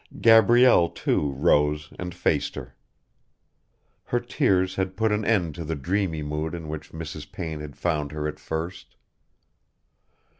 Gabrielle too rose and faced her. Her tears had put an end to the dreamy mood in which Mrs. Payne had found her at first.